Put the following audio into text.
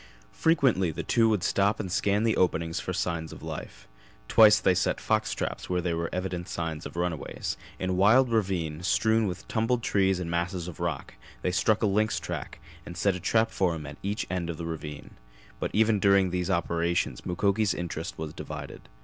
Frequently the two would stop and scan the openings for signs of life. Twice they set fox traps where there were evident signs of runways; in a wild ravine, strewn with tumbled trees and masses of rock, they struck a lynx track and set a trap for him at each end of the ravine; but even during these operations Mukoki's interest was divided.